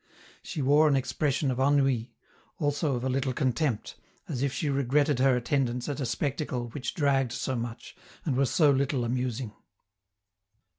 She wore an expression of ennui, also of a little contempt, as if she regretted her attendance at a spectacle which dragged so much, and was so little amusing.